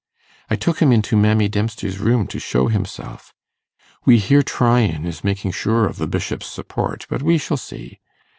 I took him into Mammy Dempster's room to show himself. We hear Tryan is making sure of the Bishop's support; but we shall see.